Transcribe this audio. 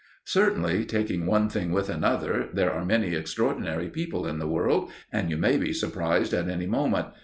Certainly, taking one thing with another, there are many extraordinary people in the world, and you may be surprised at any moment.